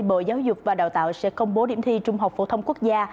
bộ giáo dục và đào tạo sẽ công bố điểm thi trung học phổ thông quốc gia